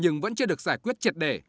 nhưng vẫn chưa được giải quyết triệt đề